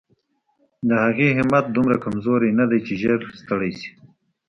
د هغې همت دومره کمزوری نه دی چې ژر ستړې شي.